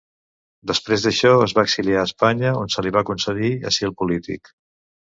Després d'això es va exiliar a Espanya, on se li va concedir asil polític.